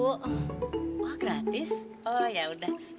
oh gratis oh yaudah